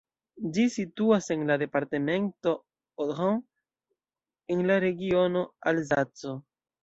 Ĝi situas en la departemento Haut-Rhin en la regiono Alzaco.